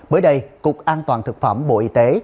mới đây cục an toàn thực phẩm bộ y tế